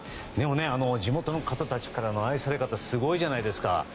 地元の方たちからの愛され方すごいじゃないですか。